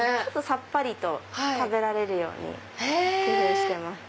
さっぱりと食べられるように工夫してます。